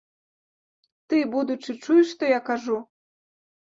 Ты, будучы, чуеш, што я кажу?